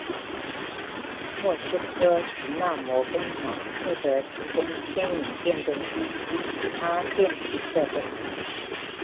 莫斯科迪纳摩工厂负责提供牵引电动机及其他电气设备。